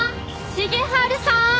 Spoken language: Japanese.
重治さん！